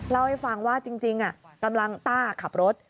เล่าให้ฟังว่าจริงกำลังต้าขับรถ